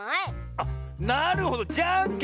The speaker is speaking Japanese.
あっなるほどじゃんけんね。